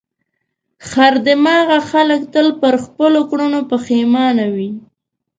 خر دماغه خلک تل پر خپلو کړنو پښېمانه وي.